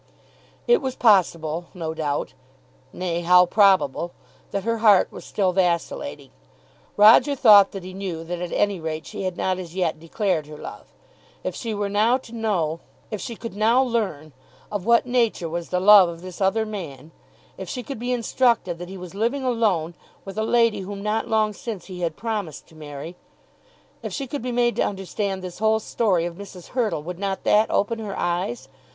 It was possible, no doubt, nay, how probable, that her heart was still vacillating. Roger thought that he knew that at any rate she had not as yet declared her love. If she were now to know, if she could now learn, of what nature was the love of this other man; if she could be instructed that he was living alone with a lady whom not long since he had promised to marry, if she could be made to understand this whole story of Mrs. Hurtle, would not that open her eyes?